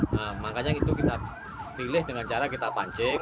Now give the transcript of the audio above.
nah makanya itu kita pilih dengan cara kita pancing